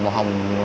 đào công trân